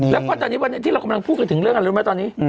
แล้วก็ตอนนี้วันนี้ที่เรากำลังพูดกันถึงเรื่องอะไรรู้ไหมตอนนี้